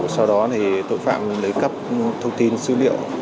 sau đó thì tội phạm lấy cấp thông tin dữ liệu